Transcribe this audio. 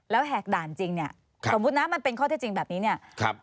แล้วแหกด่านจริงเนี่ยสมมุตินะมันเป็นข้อเท็จจริงแบบนี้เนี่ย